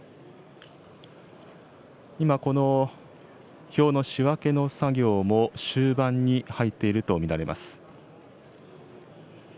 今、この票の仕分けの作業も終盤に入っていると見られます。